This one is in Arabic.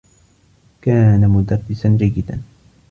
كان مدرّسا جيّدا.